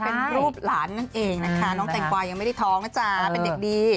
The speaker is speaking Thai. เป็นรูปหลานนั่นเองนะคะน้องแตงกวายังไม่ได้ท้องนะจ๊ะเป็นเด็กดี